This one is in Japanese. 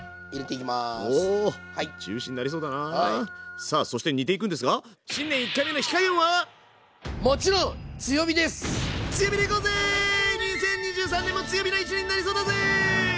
さあそして煮ていくんですが２０２３年も強火の一年になりそうだぜ！